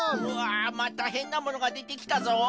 うわっまたへんなものがでてきたぞ！